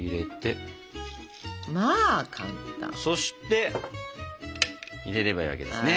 そして入れればいいわけですね。